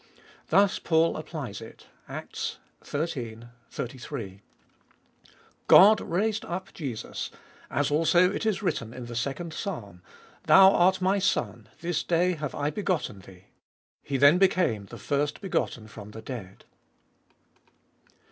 Thus Paul applies it (Acts xiii. 33) :" God raised up Jesus, as also it is written in the second Psalm, Thou art My Son, this day have I begotten Thee." He then became the first begotten from the dead.